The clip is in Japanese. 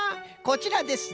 こちらです！